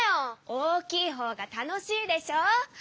大きいほうが楽しいでしょ！